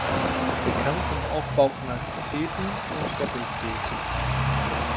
Bekannt sind Aufbauten als Phaeton und Doppelphaeton.